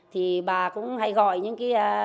thì bà cũng hay gọi những chị em đến